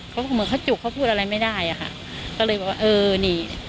เขาเหมือนเขาจุกเขาพูดอะไรไม่ได้อะค่ะก็เลยบอกว่าเออนี่